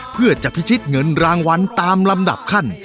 เพื่อจะพิชิตเงินรางวัลตามลำดับขั้น